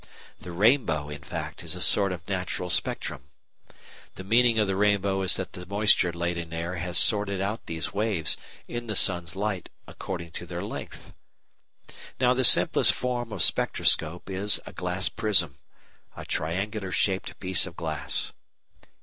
The rainbow, in fact, is a sort of natural spectrum. (The meaning of the rainbow is that the moisture laden air has sorted out these waves, in the sun's light, according to their length.) Now the simplest form of spectroscope is a glass prism a triangular shaped piece of glass.